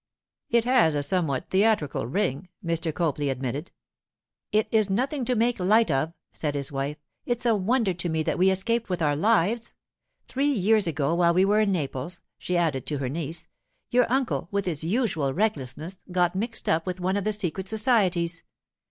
'It has a somewhat theatrical ring,' Mr. Copley admitted. 'It is nothing to make light of,' said his wife. 'It's a wonder to me that we escaped with our lives. Three years ago, while we were in Naples,' she added to her niece, 'your uncle, with his usual recklessness, got mixed up with one of the secret societies.